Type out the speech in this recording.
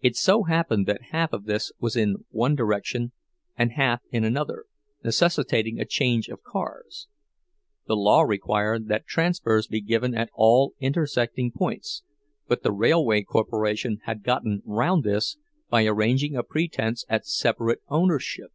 It so happened that half of this was in one direction and half in another, necessitating a change of cars; the law required that transfers be given at all intersecting points, but the railway corporation had gotten round this by arranging a pretense at separate ownership.